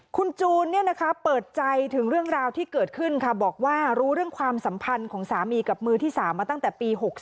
คุณจูนเปิดใจถึงเรื่องราวที่เกิดขึ้นค่ะบอกว่ารู้เรื่องความสัมพันธ์ของสามีกับมือที่๓มาตั้งแต่ปี๖๓